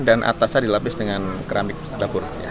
dan atasnya dilapis dengan keramik dapur